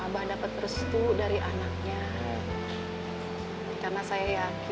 biar akang abah dapat restu dari anaknya